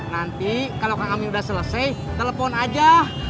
nanti kalau kang amin udah selesai telepon aja